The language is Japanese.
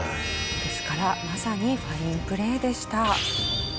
ですからまさにファインプレーでした。